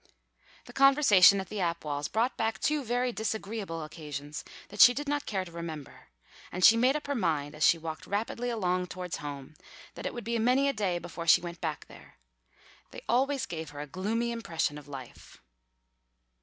The conversation at the Apwalls' brought back two very disagreeable occasions that she did not care to remember, and she made up her mind as she walked rapidly along towards home that it would be many a day before she went back there. They always gave her a gloomy impression of life.